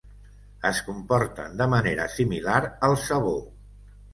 Es comporten de manera similar al sabó.